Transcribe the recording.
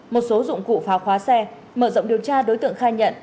một số dụng cụ phá khóa xe mở rộng điều tra đối tượng khai nhận